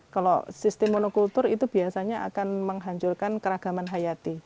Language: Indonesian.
kalau sistem monokultur itu biasanya akan menghancurkan keragaman hayati